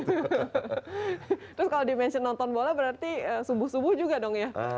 terus kalau dimention nonton bola berarti subuh subuh juga dong ya